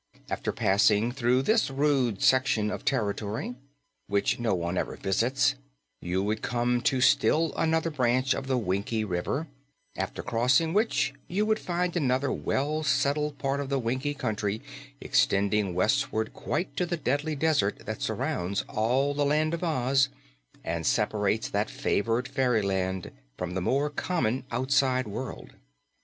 After passing through this rude section of territory, which no one ever visits, you would come to still another branch of the Winkie River, after crossing which you would find another well settled part of the Winkie Country extending westward quite to the Deadly Desert that surrounds all the Land of Oz and separates that favored fairyland from the more common outside world.